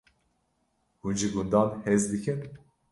Hûn ji gundan hez dikin?